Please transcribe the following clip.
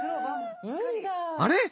あれ？